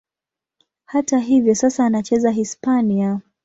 Hata hivyo, sasa anacheza Hispania.